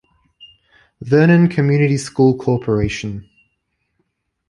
Vernon Community School Corporation.